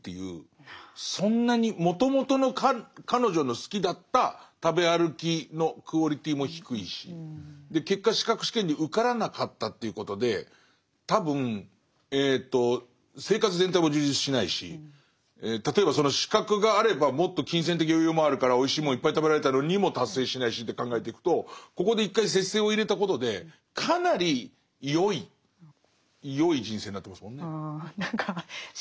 そんなにもともとの彼女の好きだった食べ歩きのクオリティーも低いし結果資格試験に受からなかったっていうことで多分生活全体も充実しないし例えばその資格があればもっと金銭的余裕もあるからおいしいもんいっぱい食べられたのにも達成しないしって考えていくとここで一回何か失敗したことがある人が言えるような。